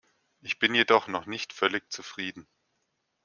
Ich bin jedoch noch nicht völlig zufrieden.